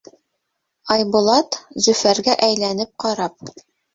Айбулат, Зөфәргә әйләнеп ҡарап: